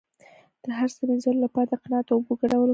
د حرص د مینځلو لپاره د قناعت او اوبو ګډول وکاروئ